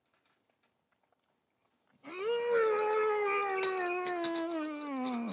うん！